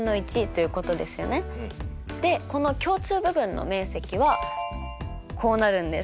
でこの共通部分の面積はこうなるんです。